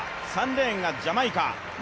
３レーンがジャマイカ。